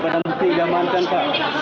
badan bukti damankan pak